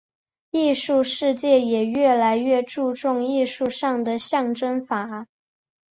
艺术世界也越来越注重艺术上的象征法。